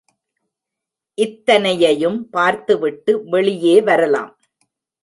இத்தனையையும் பார்த்துவிட்டு வெளியே வரலாம்.